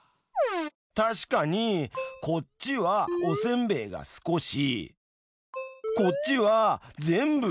確かにこっちはおせんべいが少しこっちは全部。